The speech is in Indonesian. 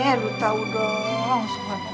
ya lo tau dong